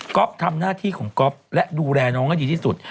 ทำหน้าที่ของก๊อฟและดูแลน้องให้ดีที่สุด